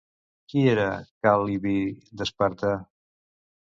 Qui era Cal·libi d'Esparta?